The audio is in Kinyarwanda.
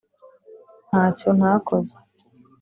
Ntacyo ntakoze